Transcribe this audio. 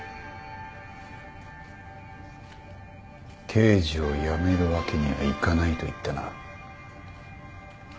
刑事を辞めるわけにはいかないと言ったな。